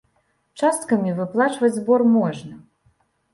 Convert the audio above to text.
Часткамі выплачваць збор можна.